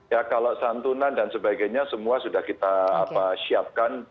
ya kalau santunan dan sebagainya semua sudah kita siapkan